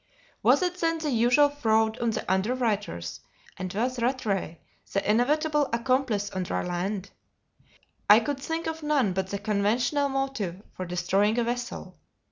Was it then the usual fraud on the underwriters, and was Rattray the inevitable accomplice on dry land? I could think of none but the conventional motive for destroying a vessel.